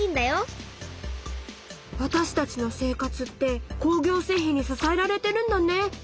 わたしたちの生活って工業製品に支えられてるんだね。